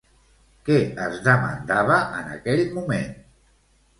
Què es demandava, en aquell moment?